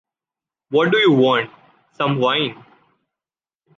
What do you want? Some wine?